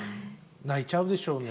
泣いちゃうでしょうね。